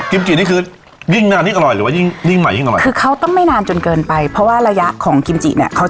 ที่เราเคยกินยังไงนะคะได้แล้วได้แล้วแม่รอช้าครับผม